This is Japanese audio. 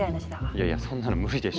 いやいやそんなの無理でしょ。